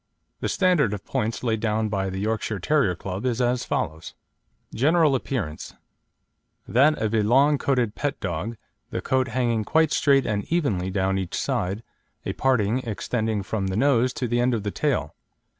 The standard of points laid down by the Yorkshire Terrier Club is as follows: GENERAL APPEARANCE That of a long coated pet dog, the coat hanging quite straight and evenly down each side, a parting extending from the nose to the end of the tail.